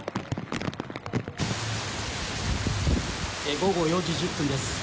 午後４時１０分です。